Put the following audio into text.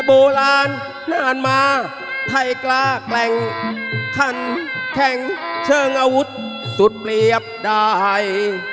โบราณนานมาไทยกล้าแกร่งคันแข็งเชิงอาวุธสุดเปรียบได้